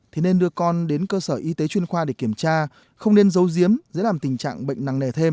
thì nên đưa con đến cơ sở y tế chuyên khoa để kiểm tra không nên giấu giếm dễ làm tình trạng bệnh nặng nề thêm